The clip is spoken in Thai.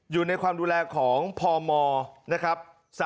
อยู่ในความดูแลของพมนะครับ